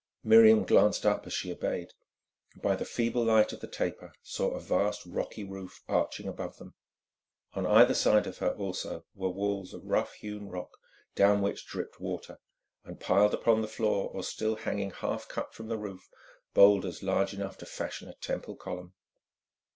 Miriam glanced up as she obeyed, and by the feeble light of the taper saw a vast rocky roof arching above them. On either side of her also were walls of rough hewn rock down which dripped water, and piled upon the floor or still hanging half cut from the roof, boulders large enough to fashion a temple column.